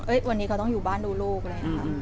เอ้ยวันนี้เขาต้องอยู่บ้านดูลูกและนะครับ